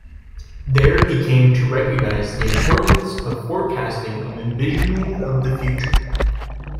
There he came to recognize the importance of forecasting and envisioning of the future.